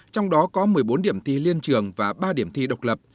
trong đó có một mươi bốn điểm thi liên trường và ba điểm thi độc lập